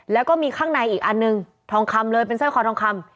แล้วก็มีข้างในอีกอันหนึ่งทองคำเลยเป็นสร้อยคอทองคำ